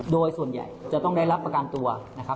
โดยส่วนใหญ่จะต้องได้รับประกันตัวนะครับ